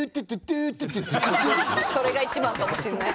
それが一番かもしんない。